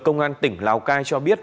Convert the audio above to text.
cơ quan công an tỉnh lào cai cho biết